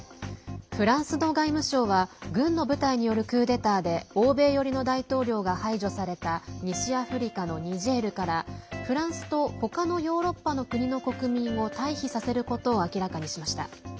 フランスの外務省は軍の部隊によるクーデターで欧米寄りの大統領が排除された西アフリカのニジェールからフランスと他のヨーロッパの国の国民を退避させることを明らかにしました。